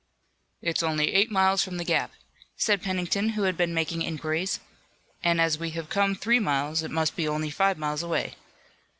"It's only eight miles from the gap," said Pennington, who had been making inquiries, "and as we have come three miles it must be only five miles away."